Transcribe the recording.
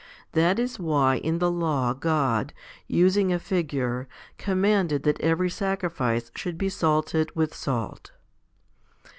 That is why in the Law God, using a figure, commanded that every sacrifice should be salted with salt.